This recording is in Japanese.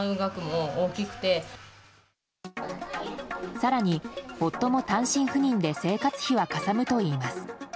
更に、夫も単身赴任で生活費はかさむといいます。